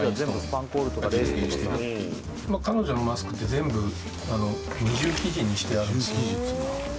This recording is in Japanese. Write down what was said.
彼女のマスクって全部二重生地にしてあるんですよ。